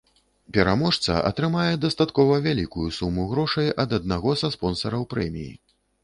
Пераможца атрымае дастаткова вялікую суму грошай ад аднаго са спонсараў прэміі.